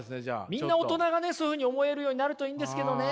みんな大人がねそういうふうに思えるようになるといいんですけどね。